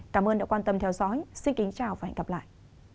cảm ơn đã quan tâm theo dõi xin kính chào và hẹn gặp lại